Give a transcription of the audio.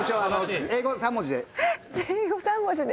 英語３文字で？